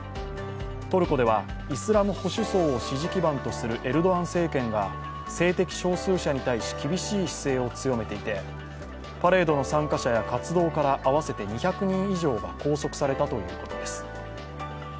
トルコではイスラム保守層を支持基盤とするエルドアン政権が性的少数者に対し厳しい姿勢を強めていてパレードの参加者や活動家ら合わせて２００人以上が拘束されたということです。